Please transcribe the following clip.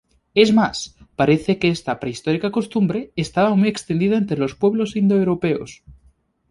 Es más, parece que esta prehistórica costumbre, estaba muy extendida entre los pueblos indoeuropeos.